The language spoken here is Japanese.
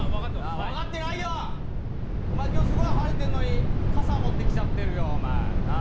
分かってないよ、お前、すごい晴れてるのに傘持ってきちゃってるよ、なあ。